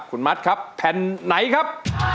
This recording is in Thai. คุณมัดครับแผ่นไหนครับ